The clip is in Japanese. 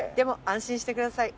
安心してください。